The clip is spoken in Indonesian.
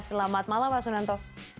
selamat malam pak sunanto